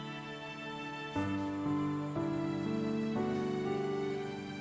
dia lihat pengembangan apaan yang hapus pengkepenting